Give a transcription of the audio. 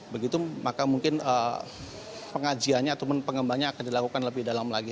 begitu maka mungkin pengajiannya ataupun pengembangannya akan dilakukan lebih dalam lagi